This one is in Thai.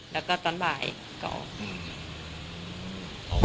แล้วก็ตอนบ่ายก่อน